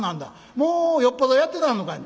もうよっぽどやってたのかいな？」。